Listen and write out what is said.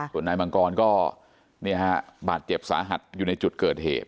ส่วนนายมังกรก็บาดเจ็บสาหัสอยู่ในจุดเกิดเหตุ